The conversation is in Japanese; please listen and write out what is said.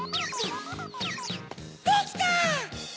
できた！